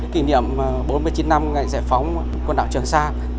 kỷ niệm bốn mươi chín năm ngày giải phóng quần đảo trường sa